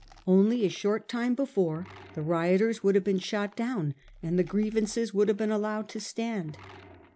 Only a short time before the rioters would have been shot down and the grievances would have been allowed to stand.